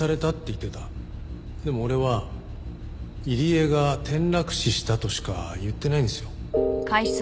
でも俺は「入江が転落死した」としか言ってないんですよ。